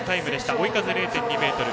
追い風０．２メートル。